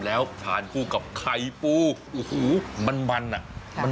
แล้วทานคู่กับไข่ปูโอ้โหมันมันอ่ะ